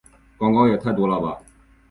广告也太多了吧